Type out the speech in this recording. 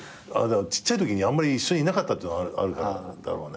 ちっちゃいときにあんまり一緒にいなかったってのあるからだろうね。